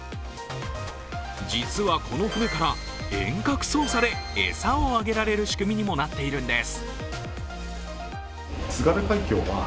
実はこの船から遠隔操作で餌をあげられる仕組みにもなっているんです。